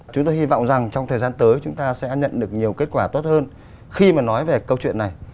chúng tôi hy vọng rằng trong thời gian tới chúng ta sẽ nhận được nhiều kết quả tốt hơn khi mà nói về câu chuyện này